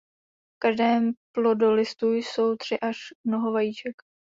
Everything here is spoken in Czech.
V každém plodolistu jsou tři až mnoho vajíček.